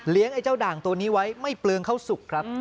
ไอ้เจ้าด่างตัวนี้ไว้ไม่เปลืองเข้าสุกครับ